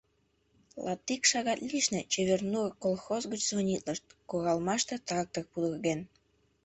Латик шагат лишне «Чевер-нур» колхоз гыч звонитлышт: куралмаште трактор пудырген.